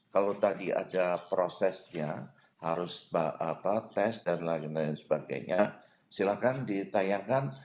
kalau tadi ada prosesnya harus tes dan lain lain sebagainya silahkan ditayangkan